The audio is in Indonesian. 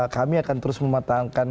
kami akan terus mematangkan